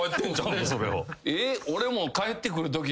えっ？